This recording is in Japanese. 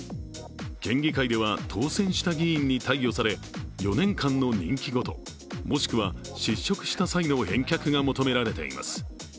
県議会では当選した議員に貸与され４年間の任期ごと、もしくは失職した際の返却が求められています。